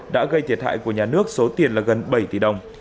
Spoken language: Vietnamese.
đã gây thiệt hại của nhà nước số tiền là gần bảy tỷ đồng